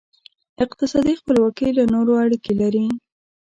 اقتصادي خپلواکي له نورو اړیکې لري.